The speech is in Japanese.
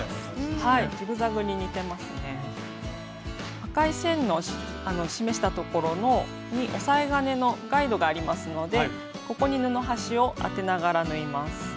赤い線の示したところに押さえ金のガイドがありますのでここに布端を当てながら縫います。